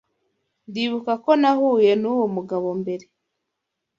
Ndibuka ko nahuye nuwo mugabo mbere.